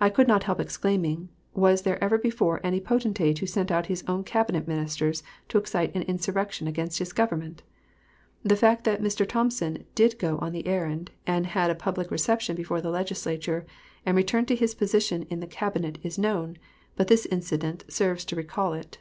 I could not help exclaiming, "Was there ever before any potentate who sent out his own Cabinet ministers to excite an insurrection against his Government!" The fact that Mr. Thompson did go on the errand, and had a public reception before the Legislature, and returned to his position in the Cabinet is known, but this incident serves to recall it.